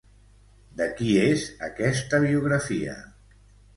De qui és aquesta biografia?